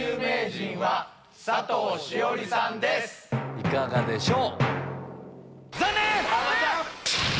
いかがでしょう？